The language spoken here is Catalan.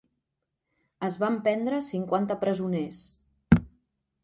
Es van prendre cinquanta presoners.